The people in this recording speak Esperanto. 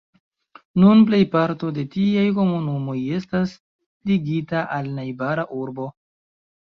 Nun plejparto de tiaj komunumoj estas ligita al najbara urbo.